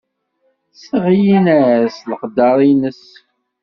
Sseɣlin-as s leqder-nnes.